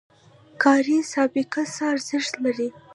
کاري سابقه څه ارزښت لري؟